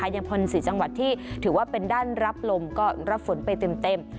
ยังพล๔จังหวัดที่ถือว่าเป็นด้านรับลมก็รับฝนไปเต็ม